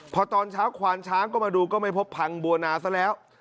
พอตอนเช้าควานช้างก็มาดูก็ไม่พบพังบัวนาซะแล้ว